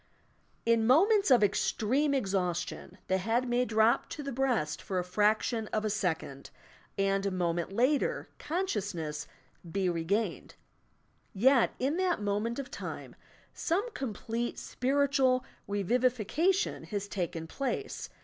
lu moments of extreme exhaustion, the head may drop to the breast for a fraction of a second, and a moment later consciousness be re gained, yet, in that moment of time, some complete spiritual revivification has taken place.